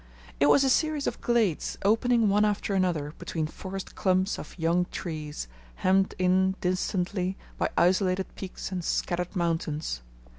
It was a series of glades opening one after another between forest clumps of young trees, hemmed in distantly by isolated peaks and scattered mountains.